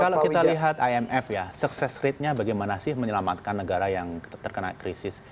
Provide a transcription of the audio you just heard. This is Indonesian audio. kalau kita lihat imf ya sukses ratenya bagaimana sih menyelamatkan negara yang terkena krisis